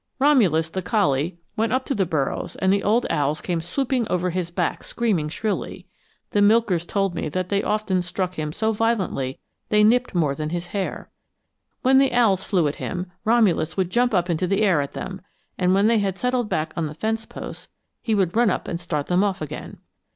Romulus, the collie, went up to the burrows and the old owls came swooping over his back screaming shrilly the milkers told me that they often struck him so violently they nipped more than his hair! When the owls flew at him, Romulus would jump up into the air at them, and when they had settled back on the fence posts he would run up and start them off again.